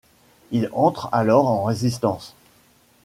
Il entre alors en Résistance.